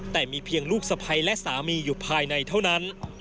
แต่มีเพียงลูกสะพ้ายและสามีอยู่ภายในเท่านั้น